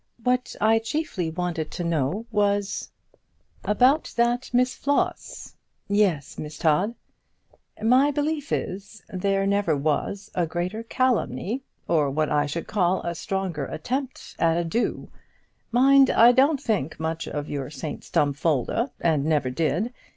What I chiefly wanted to know was " "About that Miss Floss?" "Yes, Miss Todd." "My belief is there never was a greater calumny, or what I should call a stronger attempt at a do. Mind I don't think much of your St Stumfolda, and never did.